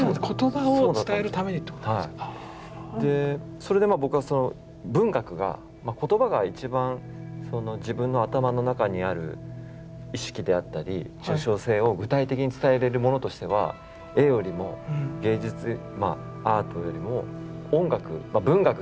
それで僕は文学が言葉が一番自分の頭の中にある意識であったり抽象性を具体的に伝えられるものとしては絵よりも芸術アートよりも音楽文学が一番強いと思ってたんですね。